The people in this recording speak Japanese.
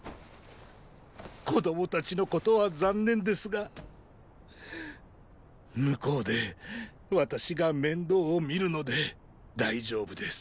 子供たちのことは残念ですが向こうで私が面倒を見るので大丈夫です。